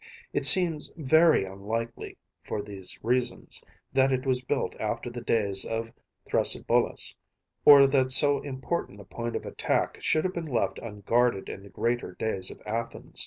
It seems very unlikely, for these reasons, that it was built after the days of Thrasybulus, or that so important a point of attack should have been left unguarded in the greater days of Athens.